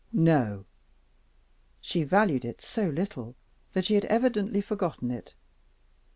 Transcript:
No! She valued it so little that she had evidently forgotten it.